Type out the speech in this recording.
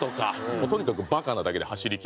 もうとにかくバカなだけで走りきるっていう。